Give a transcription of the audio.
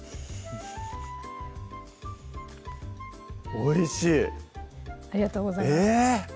おいしいありがとうございます